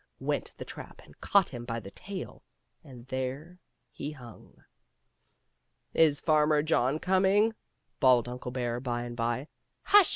went the trap and caught him by the tail, and there he hung. " Is Farmer John coming?" bawled Uncle Bear, by and by. Hush